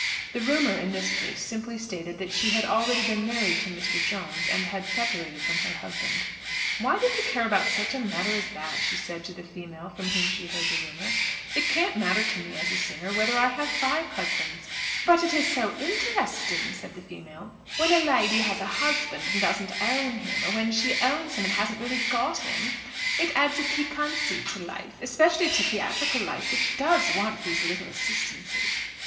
The rumour in this case simply stated that she had already been married to Mr. Jones, and had separated from her husband. "Why do they care about such a matter as that?" she said to the female from whom she heard the rumour. "It can't matter to me as a singer whether I have five husbands." "But it is so interesting," said the female, "when a lady has a husband and doesn't own him; or when she owns him and hasn't really got him; it adds a piquancy to life, especially to theatrical life, which does want these little assistances."